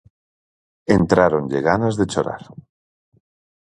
Entráronlle ganas de chorar.